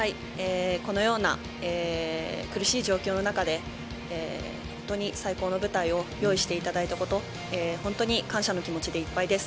このような苦しい状況の中で、本当に最高の舞台を用意していただいたこと、本当に感謝の気持ちでいっぱいです。